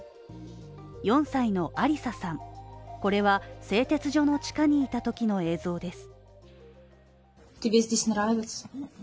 ４歳のアリサさん、これは製鉄所の地下にいたときの映像です。